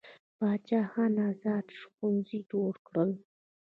باچا خان ازاد ښوونځي جوړ کړل.